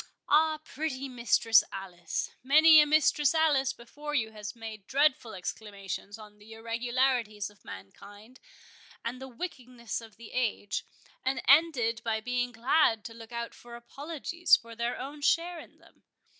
—Ah, pretty Mistress Alice! many a Mistress Alice before you has made dreadful exclamations on the irregularities of mankind, and the wickedness of the age, and ended by being glad to look out for apologies for their own share in them.